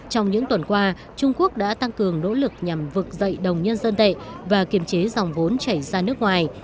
trong những tuần qua trung quốc đã tăng cường nỗ lực nhằm vực dậy đồng nhân dân tệ và kiềm chế dòng vốn chảy ra nước ngoài